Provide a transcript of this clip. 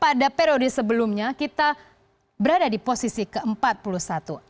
pada periode sebelumnya kita berada di posisi ke empat puluh satu